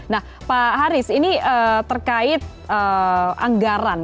nah pak haris ini terkait anggaran